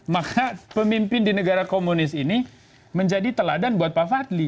maka pemimpin di negara komunis ini menjadi teladan buat pak fadli